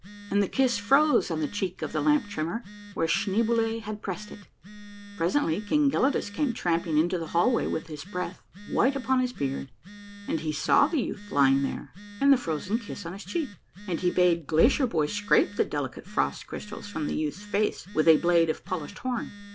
And the kiss froze on the cheek of the lamp trimmer, where Schneeboule had pressed it. Presently King Gelidus came tramping into the hallway with ) DKATH OF FUFFCOOJAH. A MARVELLOUS UNDERGROUND JOURNEY 199 his breath white upon his beard, and he saw the youth lying there, and the frozen kiss on his cheek, and he bade Glacier bhoy scrape the delicate frost crystals from the youth's face with a blade of polished horn.